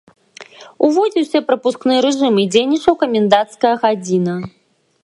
Уводзіўся прапускны рэжым і дзейнічаў каменданцкая гадзіна.